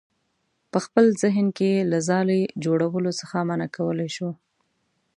په خپل ذهن کې یې له ځالې جوړولو څخه منع کولی شو.